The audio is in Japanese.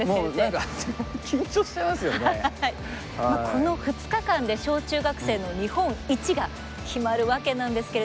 この２日間で小中学生の日本一が決まるわけなんですけれども。